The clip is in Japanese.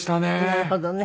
なるほどね。